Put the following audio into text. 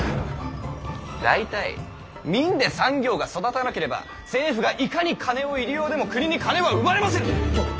大体民で産業が育たなければ政府がいかに金を入り用でも国に金は生まれませぬ。